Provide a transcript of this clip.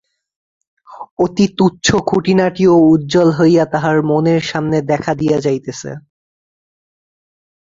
অতি তুচ্ছ খুঁটিনাটিও উজ্জ্বল হইয়া তাহার মনের সামনে দেখা দিয়া যাইতেছে।